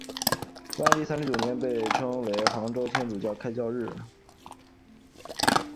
万历三十九年被称为杭州天主教开教日。